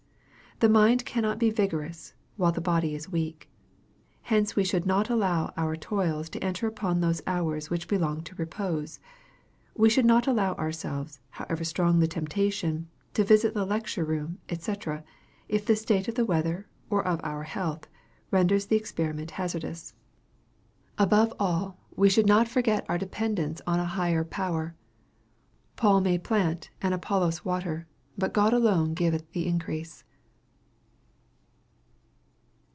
The mind cannot be vigorous while the body is weak. Hence we should not allow our toils to enter upon those hours which belong to repose. We should not allow ourselves, however strong the temptation, to visit the lecture room, &c., if the state of the weather, or of our health, renders the experiment hazardous. Above all, we should not forget our dependence on a higher Power. "Paul may plant, and Apollos water, but God alone giveth the increase."